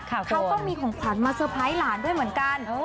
เขาก็มีของขวัญมาเตอร์ไพรส์หลานด้วยเหมือนกัน